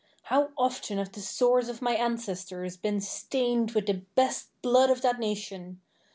How often have the swords of my ancestors been stained with the best blood of that nation!